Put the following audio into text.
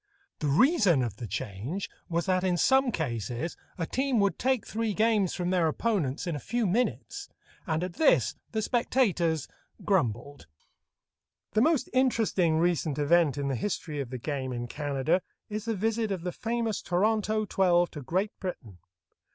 The reason of the change was that in some cases a team would take three games from their opponents in a few minutes, and at this the spectators grumbled. The most interesting recent event in the history of the game in Canada is the visit of the famous Toronto twelve to Great Britain.